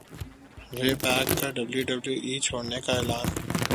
رے بیک کا W W E چھوڑنے کا اعلان